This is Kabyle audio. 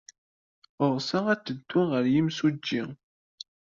Ɣseɣ ad teddud ɣer yimsujji.